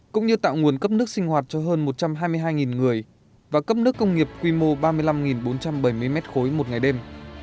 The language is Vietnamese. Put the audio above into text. cũng như tạo nguồn cấp nước sinh hoạt cho hơn một trăm hai mươi hai người và cấp nước công nghiệp quy mô ba mươi năm bốn trăm bảy mươi m ba một ngày đêm